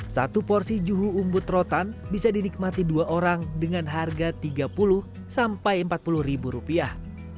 satu porsi juhu umbut rotan bisa dinikmati dua orang dengan harga tiga puluh sampai empat puluh ribu rupiah